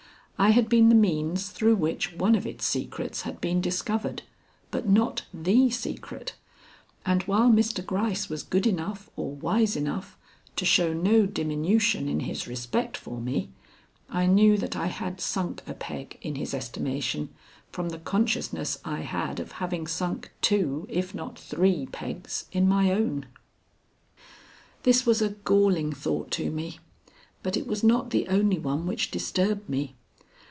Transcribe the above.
I had been the means through which one of its secrets had been discovered, but not the secret; and while Mr. Gryce was good enough, or wise enough, to show no diminution in his respect for me, I knew that I had sunk a peg in his estimation from the consciousness I had of having sunk two, if not three pegs, in my own. This was a galling thought to me. But it was not the only one which disturbed me.